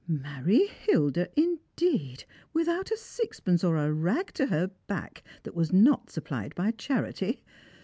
Marry Hilda, indeed, without a sixpence, or a rag to her back that was not supplied by charity.